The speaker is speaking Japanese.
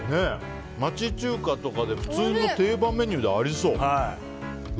町中華とかで普通の定番メニューでありそう。